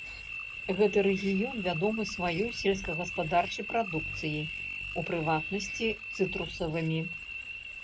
Гэты рэгіён вядомы сваёй сельскагаспадарчай прадукцыяй, у прыватнасці цытрусавымі.